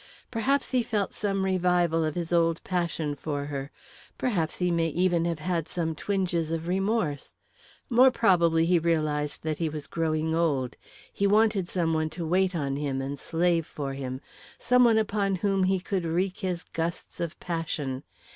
Perhaps he felt some revival of his old passion for her; perhaps he may even have had some twinges of remorse; more probably he realised that he was growing old; he wanted some one to wait on him and slave for him, some one upon whom he could wreak his gusts of passion.